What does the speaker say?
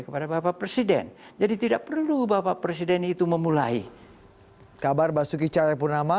kepada bapak presiden jadi tidak perlu bapak presiden itu memulai kabar basuki cahayapurnama